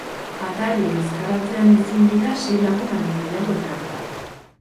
Atari edo ezkaratzean ezin dira sei lagun baino gehiago elkartu.